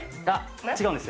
違うんですよ。